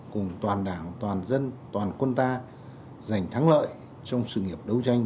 cùng toàn đảng toàn dân toàn quân ta giành thắng lợi trong sự nghiệp đấu tranh